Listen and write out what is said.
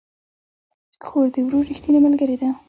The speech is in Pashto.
خور د ورور ريښتينې ملګرې ده